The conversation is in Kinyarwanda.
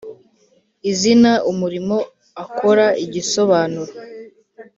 Izina umurimo akora igisobanuro